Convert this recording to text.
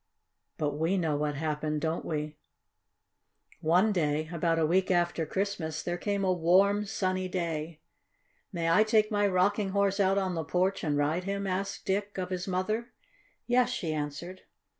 But we know what happened, don't we? One day, about a week after Christmas, there came a warm, sunny day. "May I take my Rocking Horse out on the porch and ride him?" asked Dick of his mother. "Yes," she answered.